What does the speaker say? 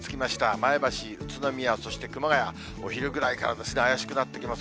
前橋、宇都宮、そして熊谷、お昼ぐらいから怪しくなってきます。